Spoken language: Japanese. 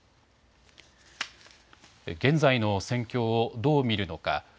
現在の戦況をどう見るのか。